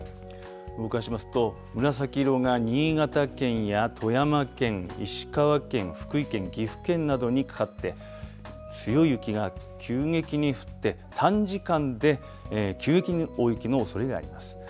動かしますと、紫色が新潟県や富山県、石川県、福井県、岐阜県などにかかって、強い雪が急激に降って、短時間で急激に大雪のおそれがあります。